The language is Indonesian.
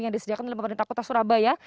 yang disediakan oleh pemerintah kota surabaya